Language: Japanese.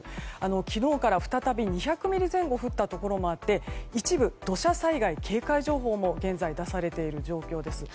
昨日から再び、２００ミリ前後降ったところもあって一部、土砂災害警戒情報も現在、出されている状況です。